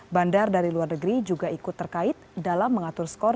bandar dari luar negeri juga ikut terkait dalam mengatur skor